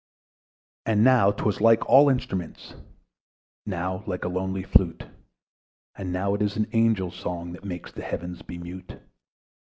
And now 'twas like all instruments, Now like a lonely flute; And now it is an angel's song, That makes the Heavens be mute.